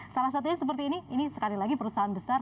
salah satunya seperti ini ini sekali lagi perusahaan besar